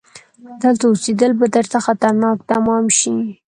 دلته اوسيدل به درته خطرناک تمام شي!